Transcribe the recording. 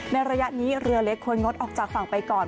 ระยะนี้เรือเล็กควรงดออกจากฝั่งไปก่อน